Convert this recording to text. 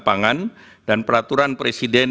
pangan dan peraturan presiden